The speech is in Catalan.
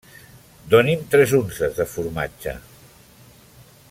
Doni’m tres unces de formatge.